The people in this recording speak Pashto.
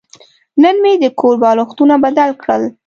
نن مې د کور بالښتونه بدله کړل.